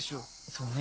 そうね